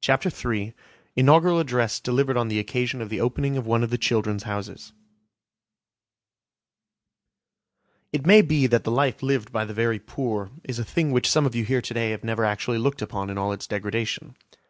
CHAPTER III INAUGURAL ADDRESS DELIVERED ON THE OCCASION OF THE OPENING OF ONE OF THE "CHILDREN'S HOUSES" IT may be that the life lived by the very poor is a thing which some of you here to day have never actually looked upon in all its degradation.